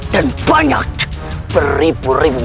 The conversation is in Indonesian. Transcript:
dan banyak beribu ribu